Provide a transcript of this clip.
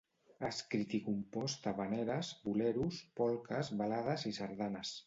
Ha escrit i compost havaneres, boleros, polques, balades i sardanes.